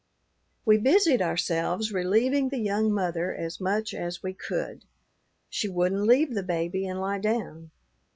We busied ourselves relieving the young mother as much as we could. She wouldn't leave the baby and lie down.